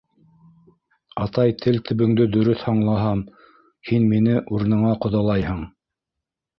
Атай, тел төбөңдө дөрөҫ аңлаһам, һин мине урыныңа ҡоҙалайһың...